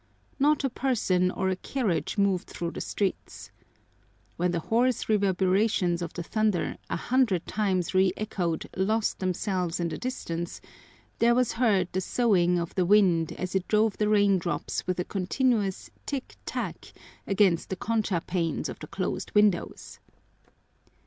Not a person or a carriage moved through the streets. When the hoarse reverberations of the thunder, a hundred times re echoed, lost themselves in the distance, there was heard the soughing of the wind as it drove the raindrops with a continuous tick tack against the concha panes of the closed windows.